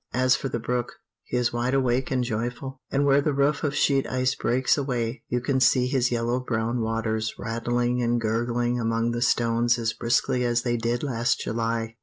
As for the brook, he is wide awake and joyful; and where the roof of sheet ice breaks away, you can see his yellow brown waters rattling and gurgling among the stones as briskly as they did last July.